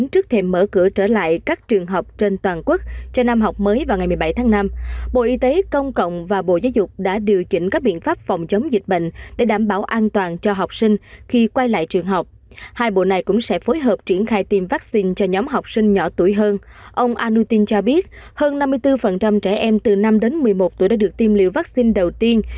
năm mươi bốn trẻ em từ năm đến một mươi một tuổi đã được tiêm liều vắc xin đầu tiên